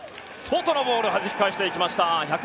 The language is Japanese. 外のボールをはじき返しました。